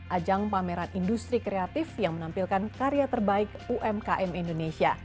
ajang pameran industri kreatif yang menampilkan karya terbaik umkm indonesia